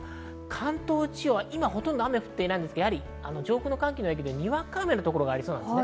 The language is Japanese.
関東地方は今ほとんど雨は降っていないですが、上空の寒気の影響でにわか雨の所がありそうです。